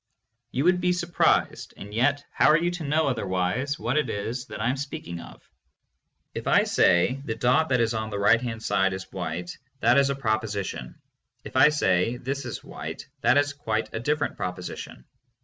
You would be surprised, and yet how are you to know otherwise what it is that I am speaking of. If I say, "The dot that is on the right hand side is white" that is a proposition. If I say "This is white" that is quite a different proposition.